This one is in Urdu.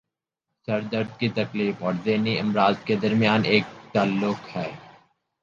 سر درد کی تکلیف اور ذہنی امراض کے درمیان ایک تعلق ہے